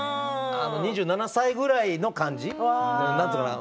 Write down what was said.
２７歳ぐらいの感じなんて言うのかな？